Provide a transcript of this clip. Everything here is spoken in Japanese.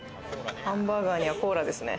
ハンバーガーにはコーラですね。